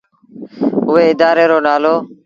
اُئي ادآري رو نآلو هُݩدو۔